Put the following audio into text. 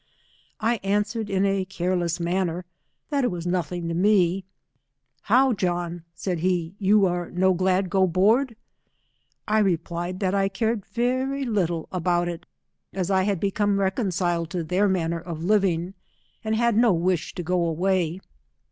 I answered in a careless manner, that it was nothing to me. Hovr, John, said he, you no glad go board. I replied that I cared very little about it, as I had become reconciled to their manner of living, and had no wish to go away.